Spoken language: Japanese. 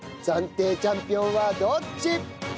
暫定チャンピオンはどっち！？